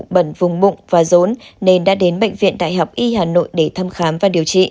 bẩn vùng bụng và rốn nên đã đến bệnh viện đại học y hà nội để thăm khám và điều trị